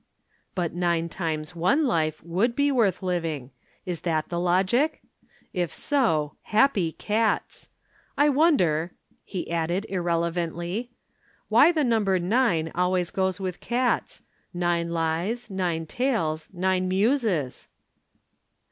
"But nine times one life would be worth living. Is that the logic? If so, happy cats! I wonder," he added irrelevantly, "why the number nine always goes with cats nine lives, nine tails, nine muses?"